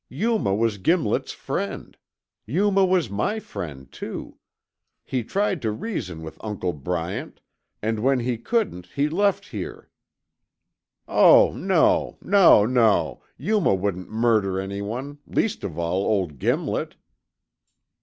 "Yuma was Gimlet's friend. Yuma was my friend too. He tried to reason with Uncle Bryant, and when he couldn't he left here. Oh, no, no, no! Yuma wouldn't murder anyone, least of all old Gimlet."